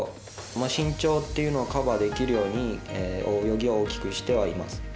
身長というのをカバーできるように泳ぎは大きくしてはいます。